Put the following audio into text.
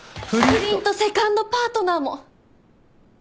不倫とセカンドパートナーも！